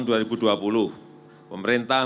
adalah penduduk indonesia yang berhasil memperbaiki